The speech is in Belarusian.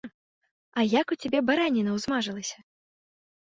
А як у цябе бараніна ўсмажылася?